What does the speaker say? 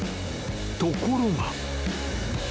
［ところが］